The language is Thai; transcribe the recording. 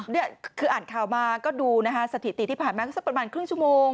นี่คืออ่านข่าวมาก็ดูนะคะสถิติที่ผ่านมาก็สักประมาณครึ่งชั่วโมง